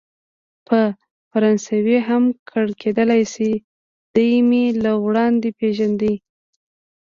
په فرانسوي هم ګړیدلای شي، دی مې له وړاندې پېژانده.